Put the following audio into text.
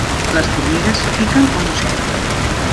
Les formigues piquen o mosseguen?